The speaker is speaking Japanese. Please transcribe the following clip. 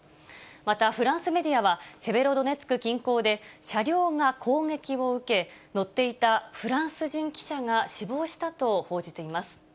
またフランスメディアは、セベロドネツク近郊で車両が攻撃を受け、乗っていたフランス人記者が死亡したと報じています。